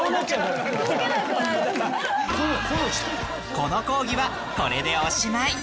この講義はこれでおしまい。